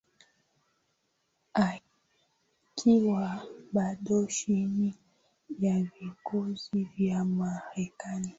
Akiwa bado chini ya vikwazo vya Marekani